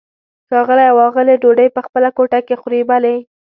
ښاغلی او آغلې ډوډۍ په خپله کوټه کې خوري؟ بلې.